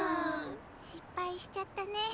失敗しちゃったね。